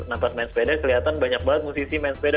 tempat main sepeda kelihatan banyak banget musisi main sepeda